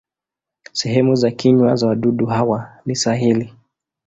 Sehemu za kinywa za wadudu hawa ni sahili.